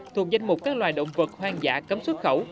thuộc danh mục các loài động vật hoang dã cấm xuất khẩu